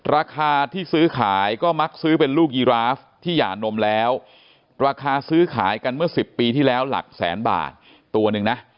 ราคาที่ซื้อขายก็มักซื้อเป็นลูกยีราฟที่หย่านมแล้วราคาซื้อขายกันเมื่อ๑๐ปีที่แล้วหลักแสนบาทตัวหนึ่งนะ